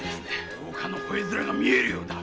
大岡の吠え面が見えるようだ。